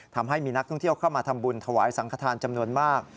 ทำให้มีนักท่องเที่ยวเข้ามาทำบุญถวายสังขทานจำนวนมาก